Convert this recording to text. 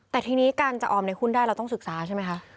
แต่ทีนี้การจะออมในหุ้นได้เราต้องศึกษาใช่ไหมคะ